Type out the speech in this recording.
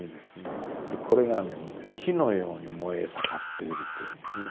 これがね火のように燃え盛っているというんですね。